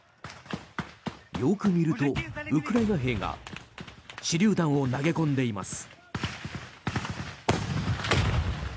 よく見ると、ウクライナ兵が手りゅう弾を投げ込んでいます。